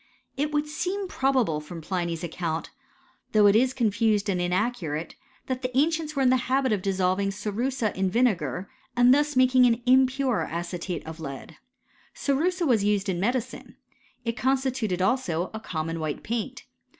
It would seem probable from Pliny'sr^ account, though it is confused and inaccurate, thatfij the ancients were in the habit of dissolving cerussa ineJl vinegar, and thus making an impure acetate of lead, js Cerussa was used in medicine. It constituted also ^ a common white paint.